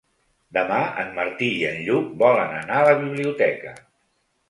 Demà en Martí i en Lluc volen anar a la biblioteca.